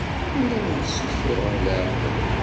Ur awent-ssuffuɣeɣ leɛqel.